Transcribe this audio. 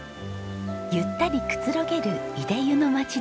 ゆったりくつろげるいで湯の街です。